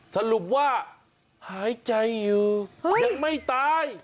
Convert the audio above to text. สรุปว่าหายใจอยู่ยังไม่ตาย